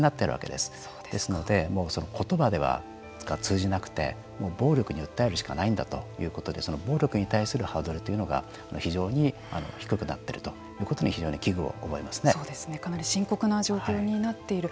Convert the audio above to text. ですので、言葉では通じなくて暴力に訴えるしかないんだということで暴力に対するハードルというのが非常に低くなっているということにかなり深刻な状況になっている。